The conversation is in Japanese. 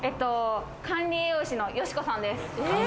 管理栄養士の与志子さんです。